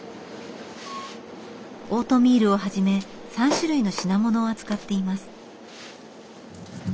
オートミールをはじめ３種類の品物を扱っています。